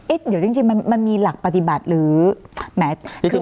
เอ๊ะเดี๋ยวจริงจริงมันมีหลักปฏิบัติหรือแหมคือ